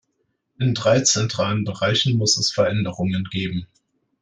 In drei zentralen Bereichen muss es Veränderungen geben.